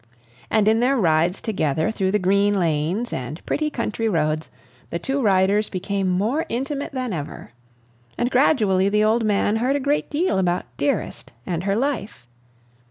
And in their rides together through the green lanes and pretty country roads, the two riders became more intimate than ever. And gradually the old man heard a great deal about "Dearest" and her life.